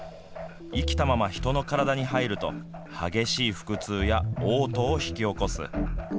生きたまま人の体に入ると激しい腹痛やおう吐を引き起こす。